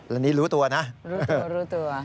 และนี่รู้ตัวนะรู้ตัว